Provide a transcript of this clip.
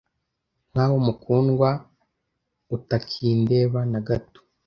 nkako mukundwa utakindeba nagato